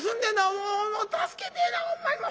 もう助けてえなほんまにもう！」。